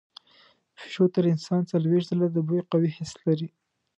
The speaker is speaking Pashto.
پیشو تر انسان څلوېښت ځله د بوی قوي حس لري.